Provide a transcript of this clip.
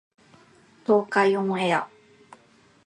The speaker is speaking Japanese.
東海オンエア